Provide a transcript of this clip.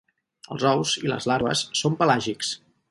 Els ous i les larves són pelàgics.